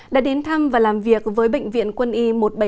đã đến thăm và làm việc với bệnh viện quân y một trăm bảy mươi năm